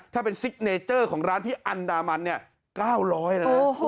ถ้าเป็นซิกเนเจอร์ของร้านพี่อันดามันเนี่ย๙๐๐นะ